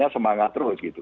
semangat terus gitu